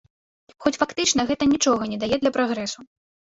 Хоць фактычна гэта нічога не дае для прагрэсу.